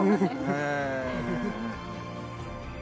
へえ。